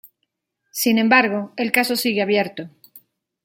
Sin embargo, el caso sigue abierto.